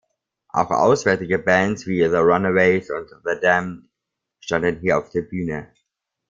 Auch auswärtige Bands wie The Runaways und The Damned standen hier auf der Bühne.